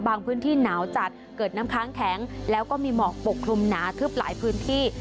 พื้นที่หนาวจัดเกิดน้ำค้างแข็งแล้วก็มีหมอกปกคลุมหนาทึบหลายพื้นที่